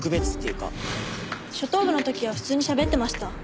初等部の時は普通にしゃべってました。